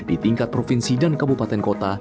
di tingkat provinsi dan kabupaten kota